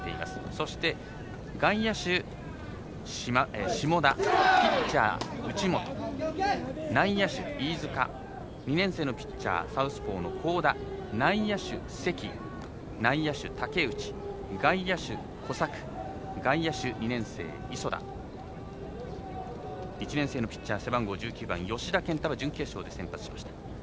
そして外野手下田、ピッチャー内本内野手、飯塚２年生のピッチャーサウスポーの国府田内野手、関内野手、竹内外野手、小作外野手、２年生、磯田１年生のピッチャー背番号１９番吉田健汰は準決勝で先発しました。